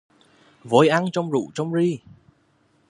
Voi ăn trong rú trong ri